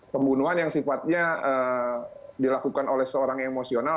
pembunuhan yang sifatnya dilakukan oleh seorang emosional